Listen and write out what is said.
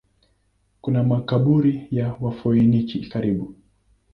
Kuna makaburi ya Wafoeniki karibu.